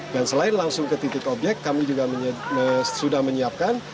dan selain langsung ke titik objek kami juga sudah menyiapkan